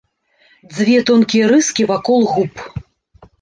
Дзве тонкія рыскі вакол губ.